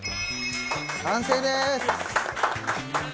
完成です！